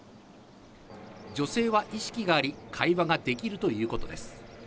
女性は意識があり会話ができるということです。